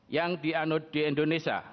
yang dianud di indonesia